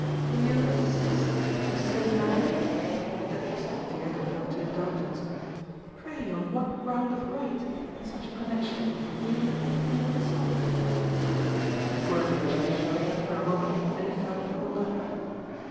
"You 'insist,' you silly man?" the Duchess had veered a little to indulgence. "Pray on what ground of right, in such a connexion, do you do anything of the sort?" Poor Mitchy showed but for a moment that he felt pulled up.